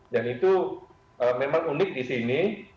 dan itu memang unik di sini